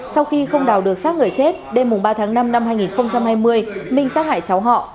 sau khi không đào được sát người chết đêm ba tháng năm năm hai nghìn hai mươi minh sát hại cháu họ